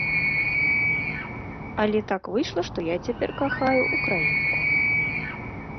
Але так выйшла, што я цяпер кахаю ўкраінку.